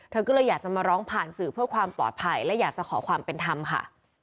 เธอก็เลยอยากจะมาร้องผ่านสื่อเพื่อความปลอดภัยและอยากจะขอความเป็นธรรมค่ะ